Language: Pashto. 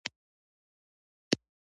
• ساختماني چارې چټکې شوې.